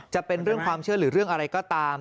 จะเป็นเรื่องความเชื่อหรือเรื่องอะไรก็ตาม